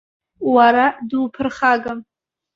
Уара дуԥырхагам.